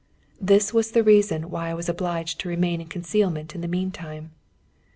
This was the reason why I was obliged to remain in concealment in the meantime.